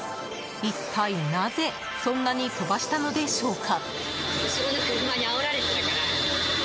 一体なぜそんなに飛ばしたのでしょうか。